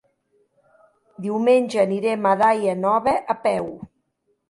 Diumenge anirem a Daia Nova a peu.